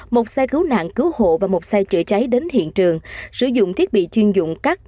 một xe cứu nạn cứu hộ và một xe chữa cháy đến hiện trường sử dụng thiết bị chuyên dụng cắt